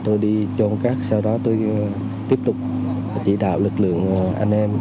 tôi đi trôn các sau đó tôi tiếp tục chỉ đạo lực lượng anh em